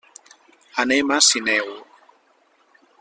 Anem a Sineu.